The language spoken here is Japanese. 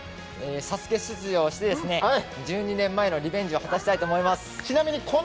「ＳＡＳＵＫＥ」出場して１２年前のリベンジを果たしたいと思います。